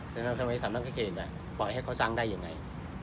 ครับฉะนั้นทำไมถามนักศักดิ์เขเกรง่ะปล่อยให้เขาสร้างได้ยังไง